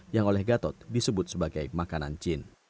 yang oleh gatot disebut sebagai makanan cin